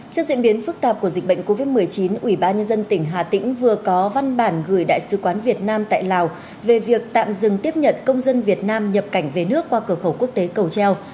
trong diễn biến phức tạp của dịch bệnh covid một mươi chín ubnd tỉnh hà tĩnh vừa có văn bản gửi đại sứ quán việt nam tại lào về việc tạm dừng tiếp nhận công dân việt nam nhập cảnh về nước qua cửa khẩu quốc tế cầu treo